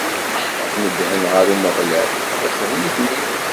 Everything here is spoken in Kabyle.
Nedhen ɣer Umeɣlal, iqbel-iten-id.